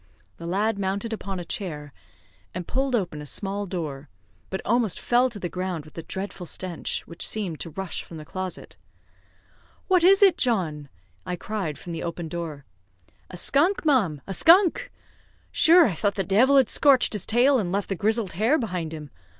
The lad mounted upon a chair, and pulled open a small door, but almost fell to the ground with the dreadful stench which seemed to rush from the closet. "What is it, John?" I cried from the open door. "A skunk! ma'am, a skunk! Shure, I thought the divil had scorched his tail, and left the grizzled hair behind him.